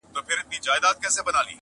o شکوڼ که حلال دئ، رنگ ئې د مردار دئ!